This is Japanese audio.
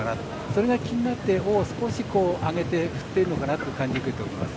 それが気になって尾を少し上げて振っているのかなという感じです。